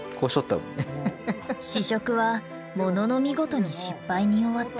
試食はものの見事に失敗に終わった。